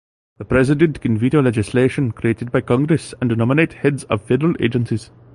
The president can veto legislation created by Congress and nominates heads of federal agencies.